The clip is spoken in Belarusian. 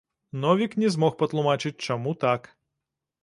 Новік не змог патлумачыць, чаму так.